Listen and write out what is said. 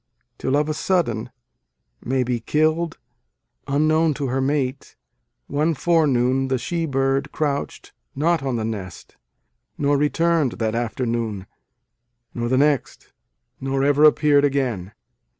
Till of a sudden, May be kill d, unknown to her mate, One forenoon the she bird crouch d not on the nest, Nor returned that afternoon, nor the next, Nor ever appeared again.